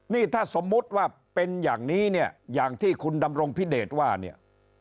นี่ถ้าสมมุติว่าเป็นอย่างนี้เนี่ยอย่างที่คุณดำรงพิเดชว่าเนี่ย